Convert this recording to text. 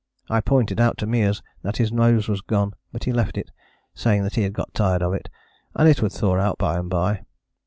I pointed out to Meares that his nose was gone; but he left it, saying that he had got tired of it, and it would thaw out by and by.